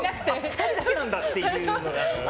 ２人だけなんだっていう。